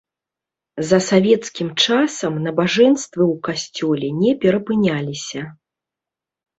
За савецкім часам набажэнствы ў касцёле не перапыняліся.